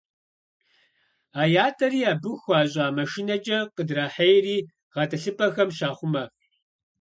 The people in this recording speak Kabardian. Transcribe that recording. А ятӏэри абы хуэщӏа машинэкӏэ къыдрахьейри, гъэтӏылъыпӏэхэм щахъумэ.